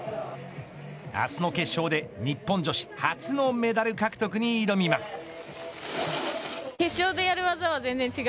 明日の決勝で日本女子初のメダル獲得に挑みます。